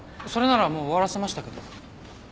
それならもう終わらせましたけど。